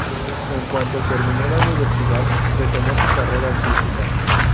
En cuanto terminó la universidad, retomó su carrera artística.